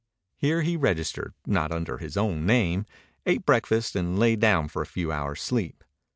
Here he registered, not under his own name, ate breakfast, and lay down for a few hours' sleep.